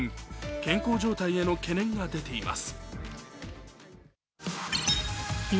健康状態への懸念が出ています。